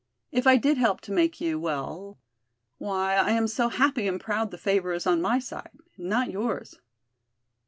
If I did help make you well, why I am so happy and proud the favor is on my side and not yours."